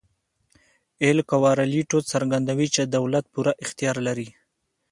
اېل کورالیټو څرګندوي چې دولت پوره اختیار لري.